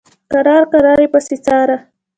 کرار کرار یې پسې څاره.